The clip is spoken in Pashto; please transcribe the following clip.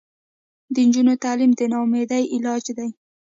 د نجونو تعلیم د ناامیدۍ علاج دی.